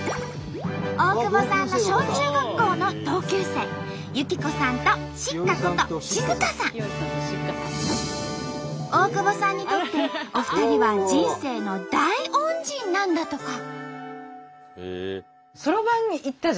大久保さんの小中学校の同級生大久保さんにとってお二人は人生の大恩人なんだとか。